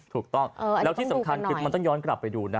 ถูกต้องแล้วที่สำคัญคือมันต้องย้อนกลับไปดูนะ